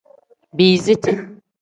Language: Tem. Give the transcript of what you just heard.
Biiziti.